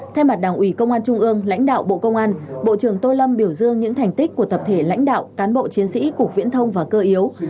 thay mặt đảng ủy công an trung ương lãnh đạo bộ công an bộ trưởng tô lâm biểu dương những thành tích của tập thể lãnh đạo cán bộ chiến sĩ cục viễn thông và cơ yếu